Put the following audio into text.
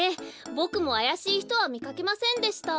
ボクもあやしいひとはみかけませんでした。